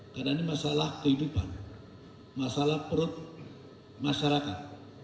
karena ini masalah kehidupan masalah perut masyarakat